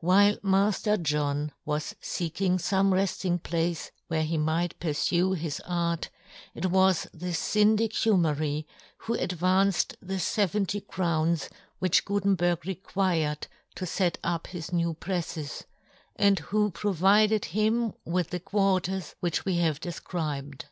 While Mailer John was feeking fome reft ing place where he might purfue his art, it was the Syndic Humery who advanced the feventy crowns which Gutenberg required to fet up his new prefles, and who provided him with the quarters which we have def cribed.